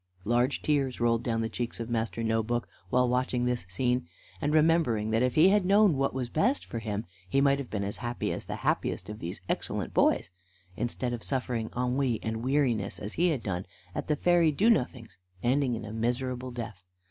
Large tears rolled down the cheeks of Master No book while watching this scene, and remembering that if he had known what was best for him, he might have been as happy as the happiest of these excellent boys, instead of suffering ennui and weariness, as he had done at the fairy Do nothing's, ending in a miserable death.